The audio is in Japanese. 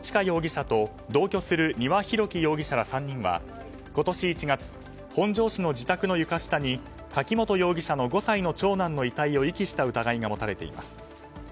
容疑者と同居する丹羽洋樹容疑者ら３人は今年１月、本庄市の自宅の床下に柿本容疑者の５歳の長男の遺体を遺棄した疑いが持たれています。